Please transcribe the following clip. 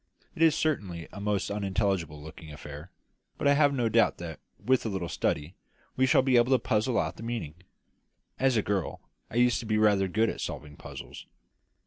It is certainly a most unintelligible looking affair; but I have no doubt that, with a little study, we shall be able to puzzle out the meaning. As a girl I used to be rather good at solving puzzles."